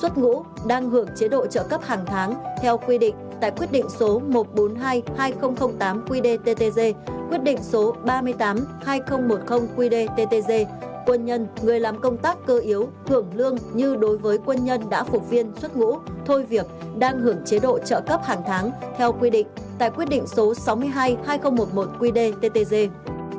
tại quyết định số sáu mươi hai hai nghìn một mươi một qd ttg